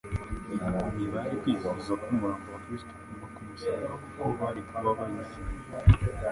Ntibari kwifuza ko umurambo wa Kristo uguma ku musaraba kuko bari kuba bayizimye.